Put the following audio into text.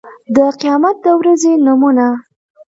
د قيامت د ورځې نومونه